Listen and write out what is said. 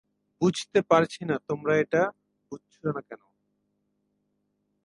বুঝতে পারছি না তোমরা এটা বুঝছো না কেন।